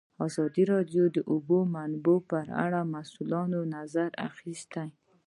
ازادي راډیو د د اوبو منابع په اړه د مسؤلینو نظرونه اخیستي.